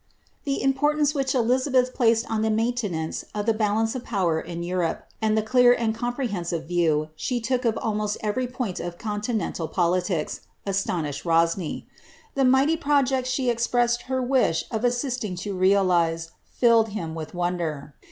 The importance which Elizabeth placed on the maintenance of the balance oi power in Europe, and the clear and comprehensive view she took of almost evoy point of continental politics, astonished Rosny. The mifhty projects she expressed her wish of assisting to realize, filled him with wonder.